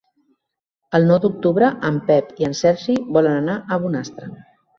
El nou d'octubre en Pep i en Sergi volen anar a Bonastre.